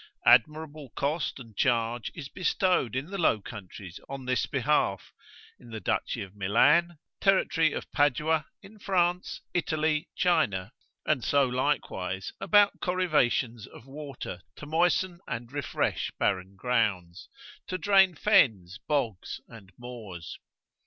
Admirable cost and charge is bestowed in the Low Countries on this behalf, in the duchy of Milan, territory of Padua, in France, Italy, China, and so likewise about corrivations of water to moisten and refresh barren grounds, to drain fens, bogs, and moors.